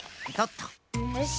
よし！